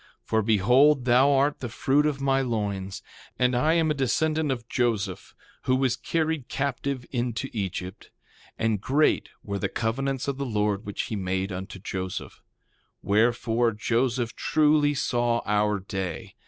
3:4 For behold, thou art the fruit of my loins; and I am a descendant of Joseph who was carried captive into Egypt. And great were the covenants of the Lord which he made unto Joseph. 3:5 Wherefore, Joseph truly saw our day.